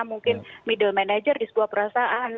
mungkin middle manager di sebuah perasaan